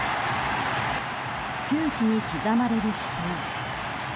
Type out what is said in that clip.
球史に刻まれる死闘。